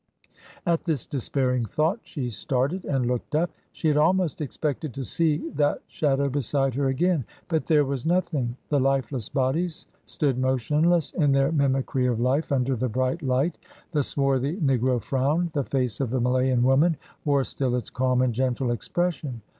At the despairing thought she started and looked up. She had almost expected to see that shadow beside her again. But there was nothing. The lifeless bodies stood motionless in their mimicry of life under the bright light. The swarthy negro frowned, the face of the Malayan woman wore still its calm and gentle expression.